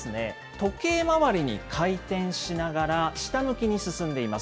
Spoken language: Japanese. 時計回りに回転しながら下向きに進んでいます。